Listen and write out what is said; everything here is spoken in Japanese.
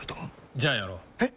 じゃあやろう。え？